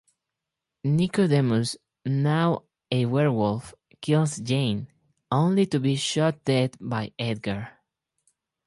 Nicodemus, now a werewolf, kills Jane, only to be shot dead by Edgar.